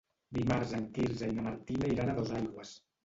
Dimarts en Quirze i na Martina iran a Dosaigües.